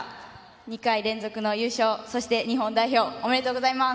２回連続の優勝、そして日本代表おめでとうございます。